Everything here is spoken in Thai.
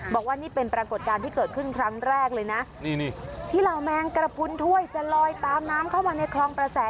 บอกว่านี่เป็นปรากฏการณ์ที่เกิดขึ้นครั้งแรกเลยนะนี่นี่ที่เหล่าแมงกระพุนถ้วยจะลอยตามน้ำเข้ามาในคลองประแส